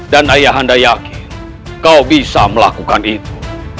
dan ayahanda yakin kau bisa melakukan itu